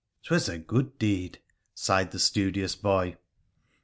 'Twas a good deed,' sighed the studious boy.